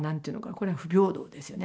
これは不平等ですよね。